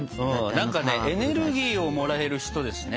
何かねエネルギーをもらえる人ですね。